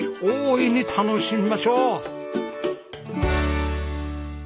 大いに楽しみましょう！